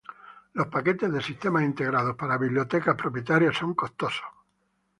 Los paquetes de sistemas integrados para bibliotecas propietarios son costosos.